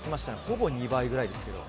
ほぼ２倍くらいですけど。